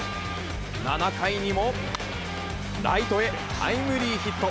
７回にも、ライトへタイムリーヒット。